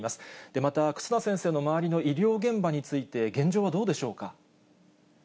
また忽那先生の周りの医療現場について、現状はどうでしょうか。